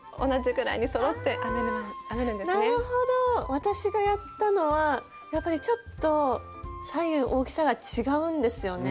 私がやったのはやっぱりちょっと左右大きさが違うんですよね。